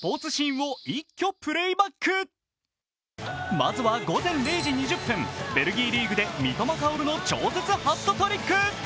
まずは午前０時２０分、ベルギーリーグで三苫薫の超絶ハットトリック。